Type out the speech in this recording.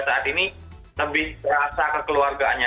saat ini lebih terasa kekeluargaannya